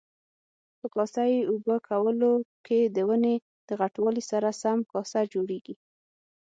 په کاسه یي اوبه کولو کې د ونې د غټوالي سره سم کاسه جوړیږي.